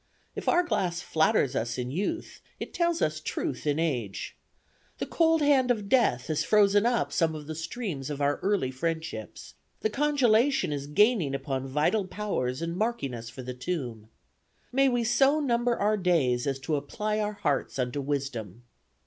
If our glass flatters us in youth, it tells us truths in age. The cold hand of death has frozen up some of the streams of our early friendships; the congelation is gaining upon vital powers and marking us for the tomb. 'May we so number our days as to apply our hearts unto wisdom.'